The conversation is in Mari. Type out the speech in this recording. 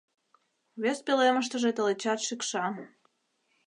Вес пӧлемыштыже тылечат шикшан.